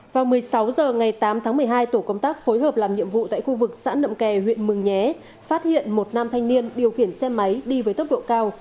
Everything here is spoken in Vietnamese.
vào một mươi sáu h ngày tám tháng một mươi hai tổ công tác phối hợp làm nhiệm vụ tại khu vực xã nậm kè huyện mường nhé phát hiện một nam thanh niên điều khiển xe máy đi với tốc độ cao